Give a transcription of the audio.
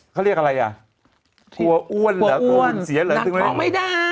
เขาเรียกอะไรอ่ะกลัวอ้วนเหรอกลัวอ้วนเสียเหรอถึงเลยบอกไม่ได้